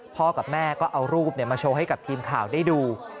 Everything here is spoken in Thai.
กับแม่ก็เอารูปมาโชว์ให้กับทีมข่าวได้ดู